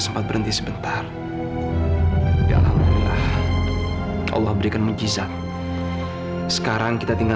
sampai jumpa di video selanjutnya